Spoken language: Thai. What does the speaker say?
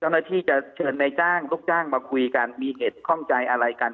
เจ้าหน้าที่จะเชิญนายจ้างลูกจ้างมาคุยกันมีเหตุข้องใจอะไรกัน